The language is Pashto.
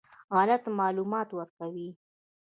غلط معلومات ورکوي.